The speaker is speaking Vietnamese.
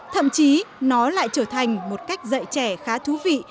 thậm chí nó lại trở thành một cách dạy trẻ khá thú vị